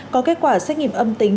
có kết quả xét nghiệm âm tính